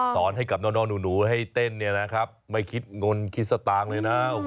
สอนให้กับน้องหนูให้เต้นเนี่ยนะครับไม่คิดเงินคิดสตางค์เลยนะ